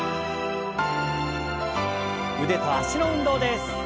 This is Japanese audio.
腕と脚の運動です。